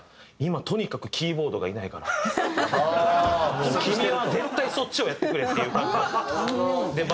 「今とにかくキーボードがいないから君は絶対そっちをやってくれ！」っていう感じで。